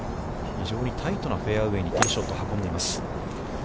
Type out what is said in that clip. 非常にライトなフェアウェイにティーショットを運んでいます。